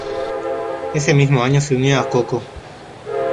Ese mismo año se unió a CoCo.